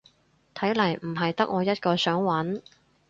睇嚟唔係得我一個想搵